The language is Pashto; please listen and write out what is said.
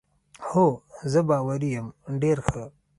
هو، زه باوري یم، ډېر ښه.